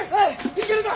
いけるか！？